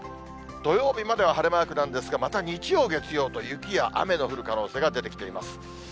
土曜日までは晴れマークなんですが、また日曜、月曜と、雪や雨の降る可能性が出てきています。